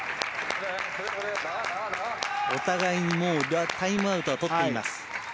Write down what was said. お互いにタイムアウトはとっています。